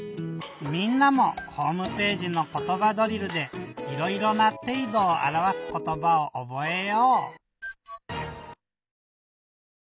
みんなもホームページの「ことばドリル」でいろいろな「ていどをあらわすことば」をおぼえよう！